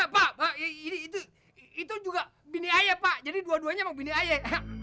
pak itu juga bini ayah pak jadi dua duanya memang bini ayah